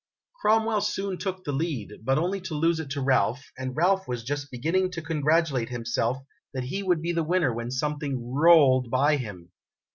Cromwell soon took the lead, but only to lose it to Ralph, and Ralph was just beginning to congratulate himself that he would be the winner when something rolled by him.